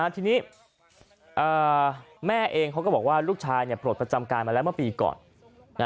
ทีนี้แม่เองเขาก็บอกว่าลูกชายปลดประจำการมาแล้วเมื่อปีก่อน